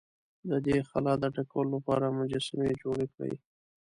د دې خلا د ډکولو لپاره مجسمې جوړې کړې.